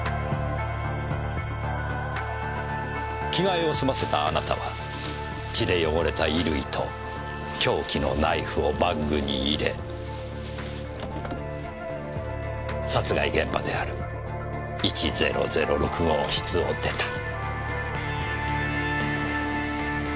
着替えを済ませたあなたは血で汚れた衣類と凶器のナイフをバッグに入れ殺害現場である１００６号室を出た。